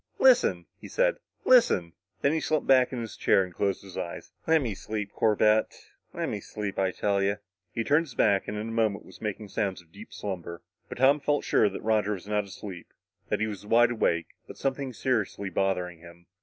"Listen," he said. "Listen!" Then he slumped back in his chair and closed his eyes. "Lemme sleep, Corbett. Lemme sleep, I tell you." He turned his back and in a moment was making sounds of deep slumber, but Tom felt sure that Roger was not asleep that he was wide awake, with something seriously bothering him.